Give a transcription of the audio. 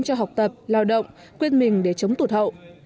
cho học tập lao động quên mình để chống tụt hậu